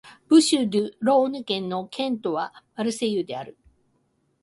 ブーシュ＝デュ＝ローヌ県の県都はマルセイユである